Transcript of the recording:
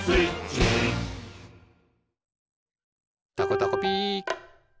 「たこたこピー」